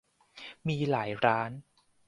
มีหลายร้าน